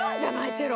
チェロ！